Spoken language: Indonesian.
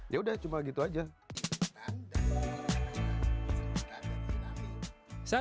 yaudah cuma gitu aja